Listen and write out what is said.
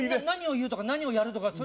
何を言うとか何をやる。